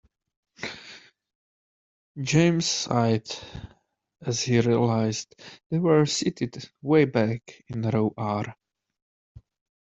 James sighed as he realized they were seated way back in row R.